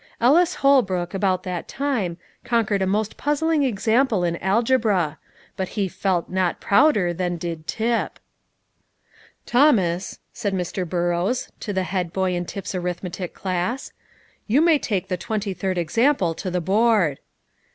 Ellis Holbrook, about that time, conquered a most puzzling example in algebra; but he felt not prouder than did Tip. "Thomas," said Mr. Burrows to the head boy in Tip's arithmetic class, "you may take the twenty third example to the board."